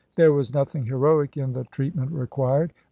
There was nothing heroic in the treatment required.